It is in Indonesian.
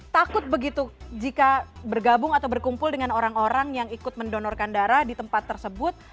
takut begitu jika bergabung atau berkumpul dengan orang orang yang ikut mendonorkan darah di tempat tersebut